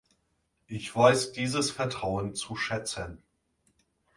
Ich weiß dieses Vertrauen zu schätzen.